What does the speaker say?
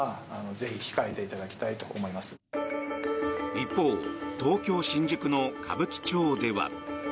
一方東京・新宿の歌舞伎町では。